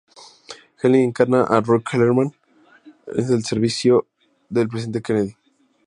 Welling encarna a Roy Kellerman, agente del servicio secreto del Presidente Kennedy.